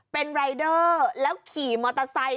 เป็นรายเดอร์แล้วขี่มอเตอร์ไซค์